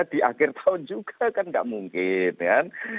di akhir tahun juga kan nggak mungkin kan